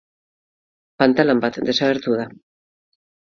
Pantalan bat desagertu da.